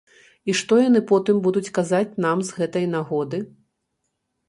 І што яны потым будуць казаць нам з гэтай нагоды.